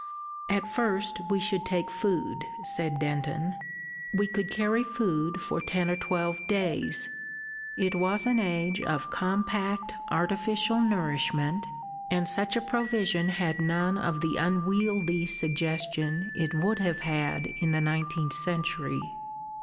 "At first we should take food," said Denton. "We could carry food for ten or twelve days." It was an age of compact artificial nourishment, and such a provision had none of the unwieldy suggestion it would have had in the nineteenth century.